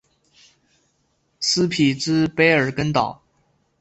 斯匹兹卑尔根岛。